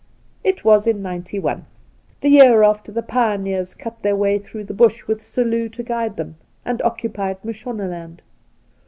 It was in '91, the year after the pioneers cut their way through the Bush, with Selous to guide them, and occupied Mashonaland.